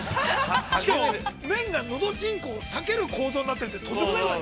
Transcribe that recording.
◆しかも、麺がのどちんこをさける構造になっているって、とんでもない。